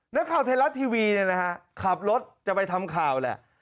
นักข่าวไทยรัฐทีวีขับรถจะไปทำข่าวแหละ